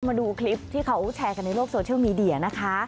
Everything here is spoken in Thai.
มาดูคลิปที่เขาแชร์กันในโลกโซเชียลมีเดียนะคะ